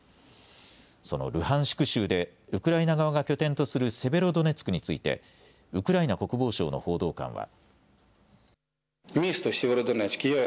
そのルハンシク州で、ウクライナ側が拠点とするセベロドネツクについてウクライナ国防省の報道官は。